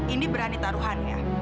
ini berani taruhannya